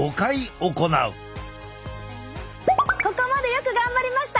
ここまでよく頑張りました！